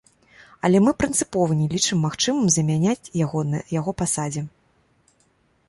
Але мы прынцыпова не лічым магчымым замяняць яго на яго пасадзе.